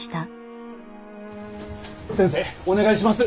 先生お願いします。